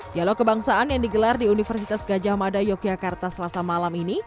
dialog kebangsaan yang digelar di universitas gajah mada yogyakarta selasa malam ini